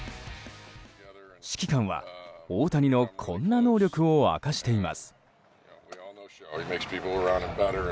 指揮官は大谷のこんな能力を明かしています。